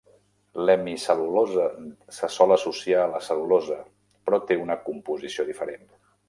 L'hemicel·lulosa se sol associar a la cel·lulosa, però té una composició diferent.